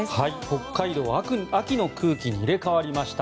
北海道は秋の空気に入れ替わりました。